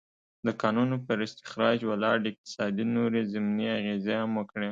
د کانونو پر استخراج ولاړ اقتصاد نورې ضمني اغېزې هم وکړې.